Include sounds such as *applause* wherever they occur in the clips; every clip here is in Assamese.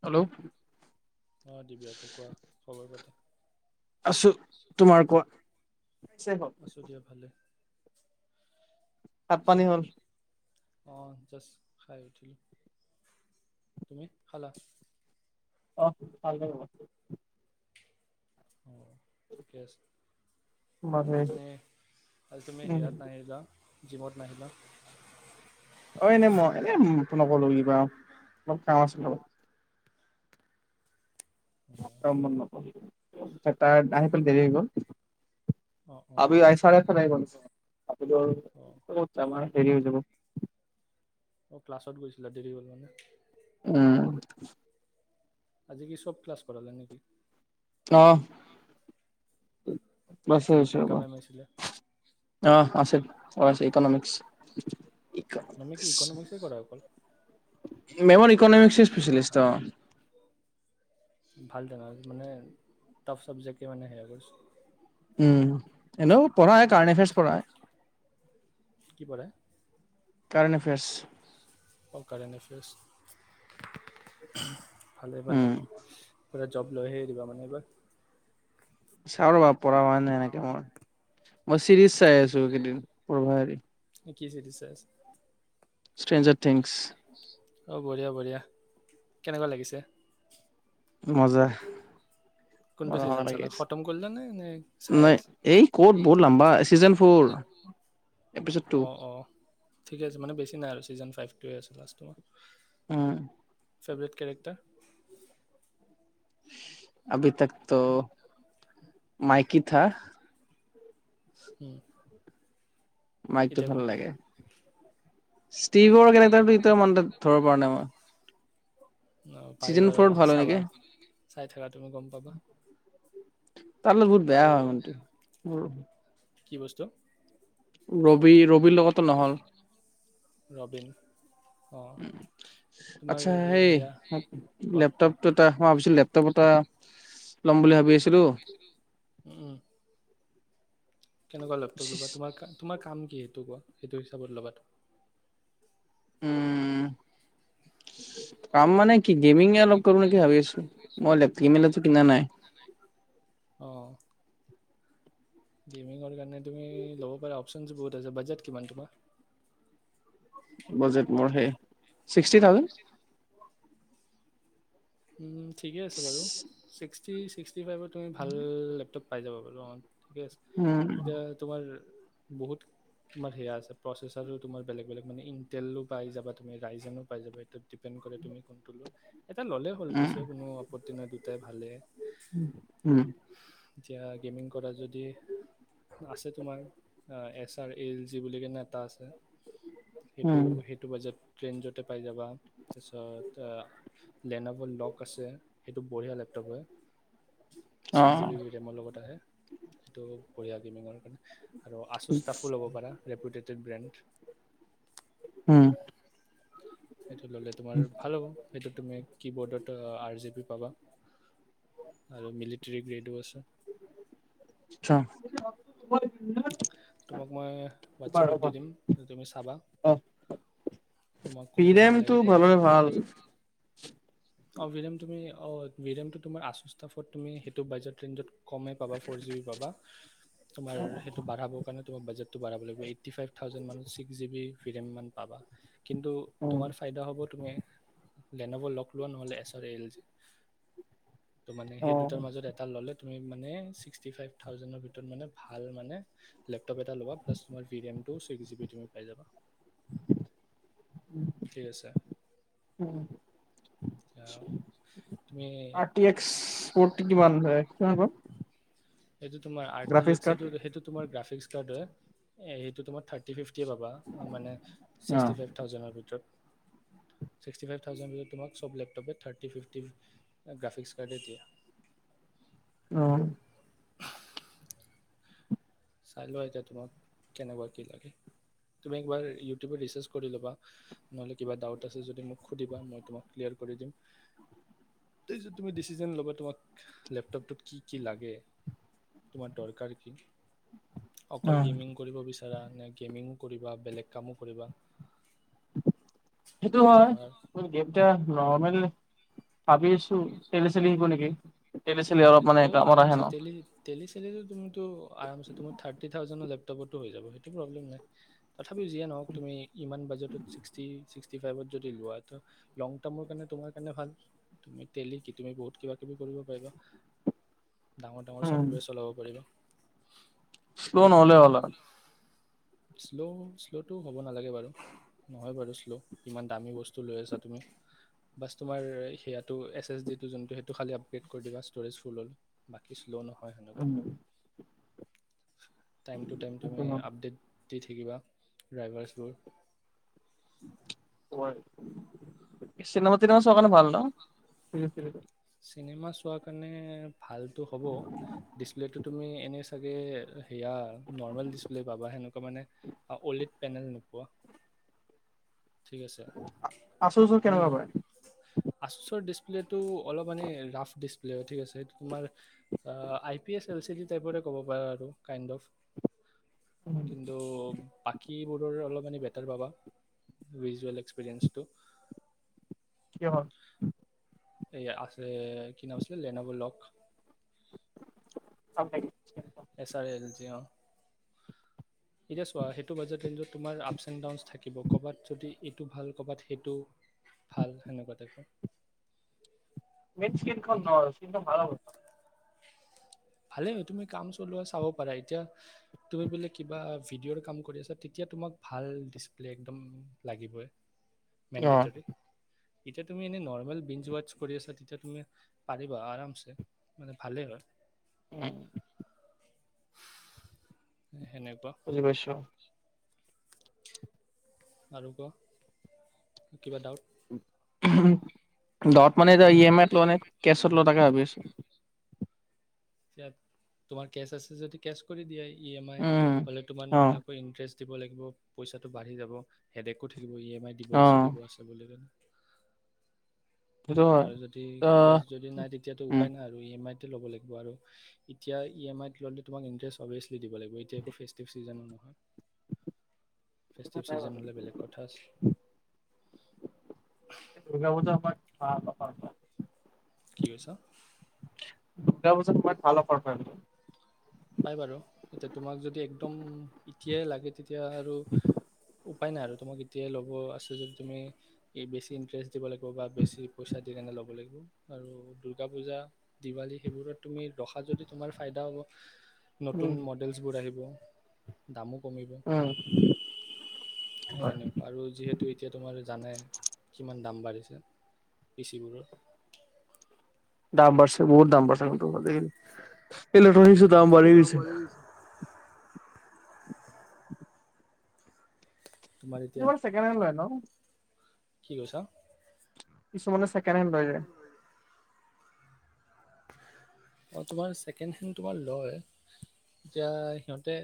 হেল্ল' অঁ দিবি *unintelligible* কোৱা খবৰ পাতি আছো, তোমাৰ কোৱা। ভাত আছো দিয়া ভালে। ভাত পানী হ'ল। অঁ জাষ্ট খাই উঠিলোঁ, তুমি খালা। অঁ, *unintelligible* অঁ ঠিকে আছে, উম আজি তুমি- আজি তুমি হেয়াত নাহিলা। জিমত নাহিলা। অঁ এনে মই এনে নগলো কিবা, অলপ কাম আছিলে অলপ। *unintelligible* অঁ পিছত তাৰ আহি পেলে দেৰি হৈ গ'ল। *unintelligible* অ অ আহিলোঁ অ আৰু দেৰি হৈ যাব। অঁ ক্লাছত গৈছিলা, দেৰি হ'ল মানে। উম আজি কি চব ক্লাছ পালা গে নেকি। অঁ। *unintelligible* ঋতুইকা ৰবা, মেম আহিছিলে অ আছে। অঁ আজি ইকনমিক্স ই্ মেমে কি ইকনমিক্সে কৰাই অকল মেমৰ ইকনমিক্সৰ স্পেচেলিষ্ট‌ ত ভাল তেনে মানে টাফ চাবজেক্টে মানে সেয়া কৰিছোঁ উম এনও পঢ়াই কাৰেণ্ট এফেয়াৰছ পঢ়াই কি পঢ়াই কাৰণ্ট এফেয়াৰছ অ কাৰেণ্ট এফেয়াৰছ ভালে উম ভালে জব লৈহে দিবা মানে এইবাৰ চাওঁ ৰ'বা পঢ়া হোৱা নাই এনেকে মোৰ মই চিৰিজ চাই আছো কেইদিন পঢ়া এৰি কি চিদিচ চাই আছা? ষ্ট্ৰেঞ্জথিংস অঁ বঢ়িয়া বঢ়িয়া কেনেকুৱা লাগিছে মজা কোনটো মজা মজা ছিজন লাগি চালা আছে খতম কৰিলা নে নে চাই নাই আছা এই ক'ত বহুত লাম্বা চিজন ফৰ এপিচড টু ঠিক আছে মানে বেছি নাই আৰু ছিজন ফাইভ টুৱে আছে লাষ্ট উ ফেভৰেট কেৰেক্টাৰ আভি তকটো মাইকী থা উম মাইকটো ভাল লাগে ষ্টিভৰ কেনেটাৰ এ মনাত ধৰ পৰা নাই মই অ চিজন পাৰিবা ফ'ৰত ৰবা ভাল হয় নেকি চাবাৰ চাই থকা তুমি গম পাবা। তামানে বহুত বেয়া আৰু হয় মনটো মোৰো হয় কি বস্তু ৰবি ৰবিন লগতো নহল ৰবিন অ তোমাৰ আচ্ছা এ- সেই সেয়া কোৱা কোৱা লেপটপ এটা ভাবিছিলো লেপটপ এটা লম বুলি ভাবি আছো উম উম কেনেকুৱা লেপটপ ল'বা তোমাৰ কা- তোমাৰ কাম কি সেইটো কোৱা সেইটো হিচাপত ল'বা তুম- উ কাম মানে কি গেমিঙ অলপ কৰিম নেকি ভাবি আছো। মই লেপ কিমেলটো কিনা নাই অঁ গেমিংৰ কাৰণে তুমি ল'ব পাৰ অপচন বহুত আছে। বাজেট কিমান তোমাৰ? বাজেট মোৰ সেই ছিক্সটি থাউজেণ্ড। ঠিকে আছে বাৰু ছিক্স চিক্স থাৰ্টি ফাইভৰ তুমি ভাল লেপটপ পাই যাব পাৰো অ ঠিকে আছে উম যে তোমাৰ বহুত তোমাৰ সেয়া আছে প্ৰচেচ আৰু বেলেগ বেলেগ ইনটেলও পাই যাবা ৰাইজেনো পাই যাবা কত ডিপেণ্ড কৰে তুমি যোনটো লোৱা ভাল পিছে কোনো আপত্তি তেনে দুটাই ভালে উ উম এতিয়া গেমিং কৰা যদি আছে তোমাৰ এছ আৰ এল যি বুলি কেনে এটা আছে সেইটো উম সেইটো বাজেত ট্ৰেইন য'তে পাই যাবা তাৰপিছত লেনত লক আছে সেইটো বঢ়িয়া লেপটপ হয় অ ছিক্স জিব বি ৰেমৰ লগত আহে সেইটো বঢ়িয়া গেমিঙৰ কাৰণে আৰু আচুচ তাপো ল'ব পাৰা ৰেপুটেটেড ব্ৰেণ্ড উম সেইটো ললে তোমাৰ ভাল হ'ব সেইটো তুমি কি বোৰ্ডত আৰ জি পি পাবা আৰু মিলিটৰী গ্ৰেডো আছে চা তোমাক মই হোৱাটছএপত দি দিম তুমি চাবা তোমাক কোনটো ভাল ভিৰেমটো লাগে ক'বা ভালৰে ভাল অ ভিৰেম তুমি অ ভিৰেমটো তোমাৰ আচুষ্টাফত তুমি সেইটো বাজেট ক্লিণ্ডত কমেই পাবা ফৰ জি বি পাবা তোমাৰ সেইটো বাঢ়াবৰ কাৰণে তোমাৰ বাজটতো বঢ়াব লাগিব এইটি ফাইভ থাউজেণ্ড মান ছিক্স জিবি ভিৰেন মান পাবা কিন্তু উম তোমাৰ ফাইদা হ'ব তুমি গেন'বলক পূৰণ হ'লে চবে এৰি যাই ত মানে অ সেই দুটাৰ মাজত এটা ল'লে তুমি মানে ছিক্সটি ফাইভ থাউজেণ্ডৰ ভিতৰত মানে ভাল মানে লেপ টপ এটা লবা প্লাছ তোমাৰ ভিৰেম তও ছিক্স জিবি ধৰ পাই যাবা ফু ঠিক আছে উম উম তুমি থাৰটি এক্স ফটি কিমানান হয় কোৱা ক সেইটো তোমাৰ আৰ টি এক্স এইটো সেইটো তোমাৰ গ্ৰাফিক্স কাৰ্ডত সেইটো তোমাৰ থাৰটি ফাইভ কেতিয়া পাবা মানে অ ছিক্সটি ফাইভ থাউজেৰ ভিতৰত ছিক্সটি ফাইভ থাউজেণ্ড ভিতৰত তোমাক চব লেপটপে থাৰ্টি ফিফটি গ্ৰাফিক্স কাৰ্ডে দিয়া অ চাই লোৱা এতিয়া তোমাক কেনেকুৱা কি লাগে তুমি একবাৰ ইউটিউবত ৰিচাৰ্চ কৰি ল'বা নহ'লে কিবা ডাউট আছে যদি মোক সুধিবা মই তোমাক ক্লিয়াৰ কৰি দিম তাৰত তুমি ডিচিজনন ল'বা তোমাক লেপটপটোত কি কি লাগে তোমাৰ দৰকাৰ কি কি অ অকল গেমিং কৰিব বিচাৰা গেমিঙো কৰিবা বেলেগ কামো কৰিবা সেইটো সেনেকুৱা হয় গেমটা নৰ্মেল ভাবি আছো তেলি চেলি আহিব নেকি তেলে চেলে অলপ মানে কামত আহে ন তেলি চেললেটো তুমি মি থ হৈ যাব সেইটো প্ৰব্লেম নাই তথাপিও যিয়ে নহওক তুমি ইমান বাজেটত ছিক্সটি ছিক্সটি ফাইভত যদি লোৱা তো লং টাৰ্মৰ কাৰণে তোমাৰ কাৰণে ভাল তুমি তেলে কি তুমি বহুত কিবা কিবি কৰিব পাৰিবা ডাঙৰ ডাঙৰ উম চফ্টৱেৰ চলাব পাৰিবা শ্ল নহ'লে হলা আ শ্ল' শ্ল'টো হ'ব নালাগে বাৰু নহয় বাৰু শ্ল' ইমান দামী বস্তু লৈ আছা তুমি বাছ তোমাৰ সেয়াটো এছ এছ ডিটো যোনটো সেইটো খালী আপগ্ৰেড কৰি দিবা ষ্ট'ৰেজ ফুল হ'ল বাকী ল' নহয় হেনেকুৱা টামটো টাইম তুমি আপডেট দি থাকিবা ড্ৰাইভাৰছবোৰ চিনেমা তিনামা চোৱাৰ কাৰণে ভাল ন চিনেমা চোৱাৰ কাৰণে ভালটো হ'ব ডিছপ্লেটো তুমি এনেই চাগে সেয়া নৰ্মেল ডিচপ্লে' পাবা সেনেকুৱা মানে অ'লড পেনেল নোপোৱা ঠিক আছে আচুৰ চাচুৰ এনে কেনেকুৱা লয় পায়? আ যিহেতু অলপ মানে ৰাফ ডিছপ্লে হয় ঠিক আছে সেই তোমাৰ I P S L C D টাইপৰে ক'ব পাৰা আৰু কাইণ্ড অফ কিন্তু বাকীবোৰৰ অলপ মান বেটাৰ পাবা ভিজুৱেল এক্সপেৰিয়েঞ্চটো কি হল এইয়া আছে কি নাম আছিলে লেনব লগ অ তেওঁ এতিয়া চোৱা সেইটো বাজেট ৰেঞ্জত তোমাৰ আপছ এণ্ড ডাউনছ থাকিব ক'ৰবাত যদি এইটো ভাল ক'বাত সেইটো ভাল সেনেকুৱা টাইপৰ মেইন স্কিনখন ন সেইটো স্কিনখন ভাল হ'ব ভালে হয় তুমি কাম চলোৱা চাব পাৰা এতিয়া তুমি বোলে কিবা ভিডিঅ'ৰ কাম কৰি আছা তেতিয়া তোমাক ভাল ডিচপ্লে একদম লাগিবই অ', মণ্ডেটৰী এতিয়া তুমি এনে নৰ্মেল *unintelligible* কৰি আছা তেতিয়া তুমি পাৰিবা আৰামছে মানে ভালে হয় উম সেনেকুৱা বুজি পাইছো। আৰু ক কিবা দাউট দত মানে এইটো ই এম আইত লোৱা নে কেচত ল তাকে ভাবি আছো *inaudible* তোমাৰ কেচ আছে যদি কেচ কৰি দিয়াই ই এম আই উম। হ'লে তোমাৰ অ', নহ'লে আকৌ ইন্টাৰেষ্ট দিব লাগিব পইচাটো বাঢ়ি যাব হেদেকো ঠিক থাকিব ই এম আই দিব আছে অ', দিব আছে বুলি কৈ সেইটো হয়। আৰু যদি কেছ ত' যদি নাই তেতিয়াতো উম। উপায় নাই আৰু ই এম আই টো লব লাগিব আৰু এতিয়া ই এম আই ললে তোমাক ইটাৰেষ্ট অভিয়াচলি দিব লাগিব এতিয়া একো ফেচটিভ চিজন নহয় ফেষ্টিভ ছিজন হলে বেলেগ কথা আছিল দুৰ্গা পূজা হোৱাৰ পাপ পাপ কি কৈছ দুটাৰ বছত মই ফাল পাৰফেম পাই বাৰু এতিয়া তোমাক যদি একদম এতিয়াই লাগে তেতিয়া এতিয়া আৰু উপায় নাই আৰু তোমাক এতিয়াই ল'ব আছ যদি তুমি বেছি ইণ্টাৰেষ্ট দিব লাগিব বা বেছি পইচা সেইকাৰণে ল'ব লাগিব আৰু দুৰ্গা পূজা দিৱালী সেইবোৰত তুমি ৰখাত যদি তোমাৰ ফাইদা হ'ব নতুন উম, মডেলছ বোৰ আহিব। দামুক। উম। হয়। সেনেকুৱা আৰু যিহেতু এতিয়া তোমাৰ জানে কিমান দাম বাঢ়িছে, পিচিবোৰৰ। দাম বাঢ়ছে, বহুত দাম বাঢ়ছে, ম-ত দেখিল। উম, ইলেকট্ৰনিকচৰ দাম বাঢ়ি গৈছে। তোমাৰ ই এতিয়া বৰ ছেকেণ্ড হেণ্ড লয় ন। কি কৈছা? কিছুমানে ছেকেণ্ড হেণ্ড লয় যায়। অ, তোমাৰ ছেকেণ্ড হেণ্ড তোমাৰ লয়। এতিয়া সিহঁতে,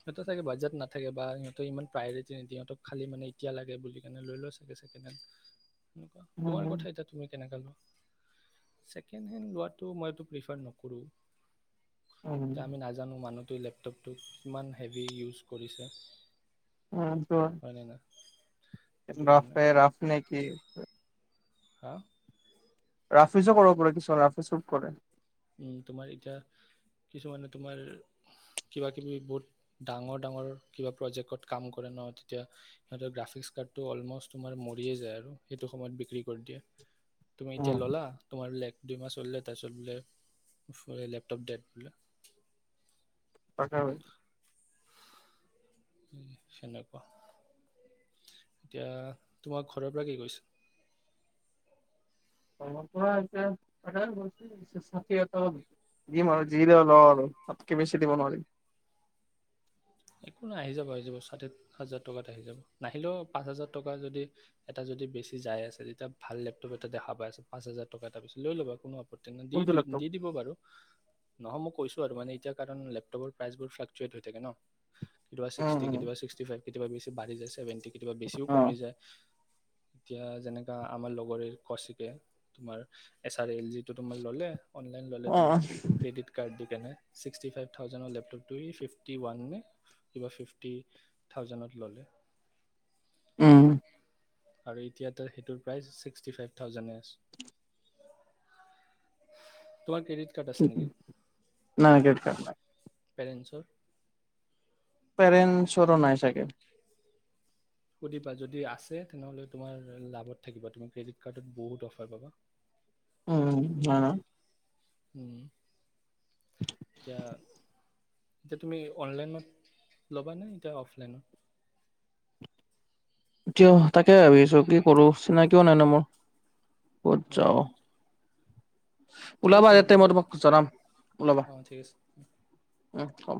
সিহঁতে চাগে বাজেট নাথাকে বা সিহঁতে ইমান প্ৰায়ৰিটি নিদিয়েহঁতক খালী মানে এতিয়া লাগে বুলি কেনে লৈ লয় চাগে ছেকেণ্ড হেণ্ড। উম তোমাৰ কথা এতিয়া তুমি কেনেকা লোৱা। ছেকেণ্ড হেণ্ড লোৱাটো মই ৰিফাৰ নকৰোঁ। এতিয়া আমি নাজানো মানুহ এই লেপটপটো কিমান হেভি ইউজ কৰিছে। অ, ত হয়নে না সেইটো কাৰণে ৰাফে ৰাফনে কি? হা? ৰাফি ইউজো কৰিব পাৰি, কিছুমান ৰাফইউজ ও কৰে। তোমাৰ এতিয়া কিছুমানে তোমাৰ কিবা কিবি বহুত ডাঙৰ- ডাঙৰ কিবা প্ৰজেক্টত কাম কৰে ন, তেতিয়া সিহঁতৰ গ্ৰাফিক্স কাৰ্ডটো অলম'ষ্ট তোমাৰ মৰিয়ে যায় আৰু সেইটো সময়ত বিক্ৰী কৰি দিয়ে। তুমি এতিয়া ল'লা, তোমাৰ লেপ দুইমাহ চলিলে, তাৰপিছত বোলে ইফালে লেপটপ ডেট বুলে। *unintelligible* সেনেকুৱা, এতিয়া তোমাক ঘৰৰ পৰা কি কৈছে? ঘৰৰ পৰা এতিয়া *unintelligible* যি ল-ল' আৰু তাতকে বেছি দিব নোৱাৰিম। একো নাই আহি যাব, আহি যাব ষাঠী হাজাৰ টকাত আহি যাব নাহিলেও পাঁচ হাজাৰ টকা যদি এটা যদি বেছি যাই আছে, তেতিয়া ভাল লেপটপ এটা দেখা পাই আছে পাঁচ হাজাৰ টকা এটা বেছি লৈ ল'বা, কোনো তেনে দি, কোনটো দি, লেপটপ? দি, দিব বাৰু। নহয় মই কৈছো আৰু মানে এতিয়া কাৰণ লেপটপৰ প্ৰাইচবোৰ ফ্লাকচুৱেট হৈ থাকে ন। কেতিয়াবা উম সীকষ্টি, উম কেতিয়াবা সীকষ্টী ফাইভ। বেছি বাঢ়ি যায় সেৱেণ্টি কেতিয়াবা বেছিও অ কমি যায়। এতিয়া যেনেকা আমাৰ লগৰে কৌচিকে, তোমাৰ এল জিটো তোমাৰ ল'লে, অনলাইন ল'লে অ তোমাৰ ক্ৰেডিত কাৰ্ড দি। ছিক্সতি ফাইভ থাউজেণ্ডৰ লেপটপটো ই ফিফটি ৱান নে কিবা ফিফটি থাউজেণ্ডত ল'লে। উম। আৰু এতিয়া তাৰ সেইটোৰ প্ৰাইচ ছিক্সটি ফাইভ থাউজেণ্ডে আছে। তোমাৰ ক্ৰেডিট কাৰ্ড আছে নেকি নাই ক্ৰেডিট কাৰ্ড নাই। পেৰেণ্টছৰ। পেৰেণ্টছৰো নাই চাগে। সুধিবা যদি আছে তেনেহ'লে তোমাৰ লাভত থাকিবা, তুমি ক্ৰেডিট কাৰ্ডত বহুত অফাৰ পাবা। উম *unintelligible* উম এতিয়া এতিয়া তুমি অনলাইনত ল'বানে এতিয়া অফলাইনত। কিয় তাকে ভাবি আছো কি কৰো চিনাকিও নাই ন মোৰ। ক'ত অঁ যাওঁ। ঠিক ওলাবা আছে হ'ব ইয়াতে মই দিয়া, তোমাক জনাম ওলাবা অঁ ঠিক আছে। উম অহ